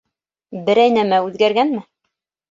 Берәй нәмә үҙгәргәнме?